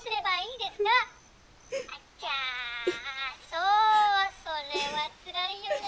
そうそれはつらいよね。